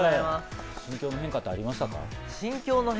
心境の変化ってありましたか？